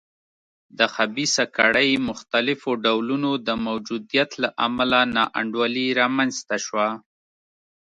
د خبیثه کړۍ مختلفو ډولونو د موجودیت له امله نا انډولي رامنځته شوه.